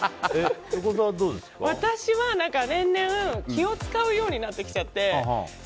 私は、年々気を使うようになってきちゃって。